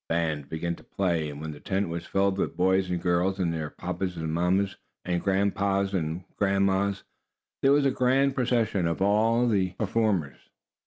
The bands began to play, and when the tent was filled with boys and girls, and their papas and mammas, and grandpas and grandmas, there was a grand procession of all the performers.